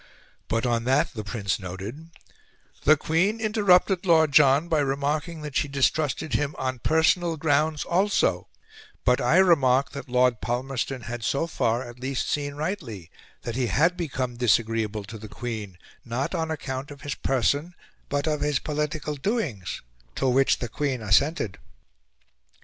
But on that, the Prince noted, "the Queen interrupted Lord John by remarking that she distrusted him on PERSONAL grounds also, but I remarked that Lord Palmerston had so far at least seen rightly; that he had become disagreeable to the Queen, not on account of his person, but of his political doings to which the Queen assented."